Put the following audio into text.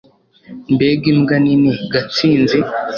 mbega imbwa nini! gatsinzi